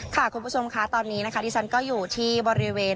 คุณผู้ชมค่ะตอนนี้นะคะที่ฉันก็อยู่ที่บริเวณ